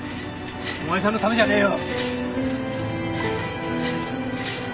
お前さんのためじゃねえよ。